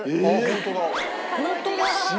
本当だ！